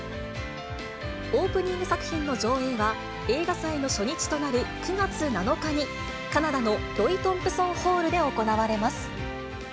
オープニング作品の上映は、映画祭の初日となる９月７日に、カナダのロイ・トンプソン・ホールで行われます。